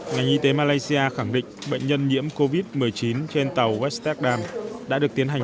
ngành y tế malaysia khẳng định bệnh nhân nhiễm covid một mươi chín trên tàu west test đàm đã được tiến hành